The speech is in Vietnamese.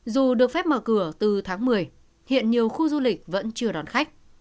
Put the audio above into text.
dù được phép mở cửa từ tháng một mươi hiện nhiều khu du lịch vẫn chưa đón khách